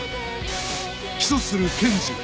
起訴する検事